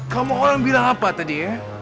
kamu orang bilang apa tadi ya